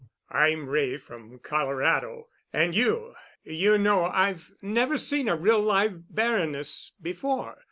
"I'm Wray—from Colorado. And you—you know I've never seen a real live baroness before.